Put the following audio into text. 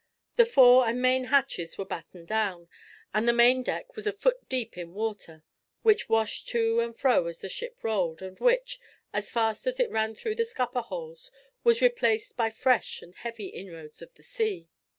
The fore and main hatches were battened down, and the main deck was a foot deep in water, which washed to and fro as the ship rolled, and which, as fast as it ran through the scupper holes, was replaced by fresh and heavy inroads of the sea.